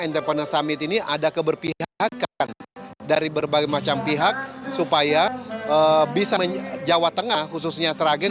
entrepreneur summit ini ada keberpihakan dari berbagai macam pihak supaya bisa jawa tengah khususnya sragen